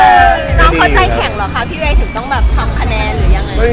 น้องเขาใจแข็งเหรอคะพี่เวย์ถึงต้องแบบทำคะแนนหรือยังไง